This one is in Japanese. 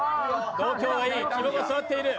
度胸がいい、肝がすわっている。